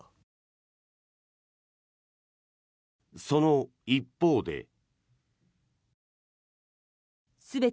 その一方で。